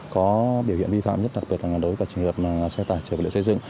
có biểu hiện vi phạm nhất đặc biệt là đối với các trường hợp xe tải xe tải xe dựng